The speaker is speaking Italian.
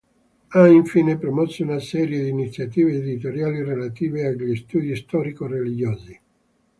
Ha infine promosso una serie di iniziative editoriali relative agli studi storico-religiosi.